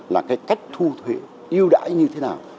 là cái cách thu thuế yêu đãi như thế nào